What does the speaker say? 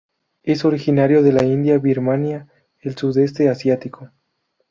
Es originario de la India, Birmania, el sudeste asiático.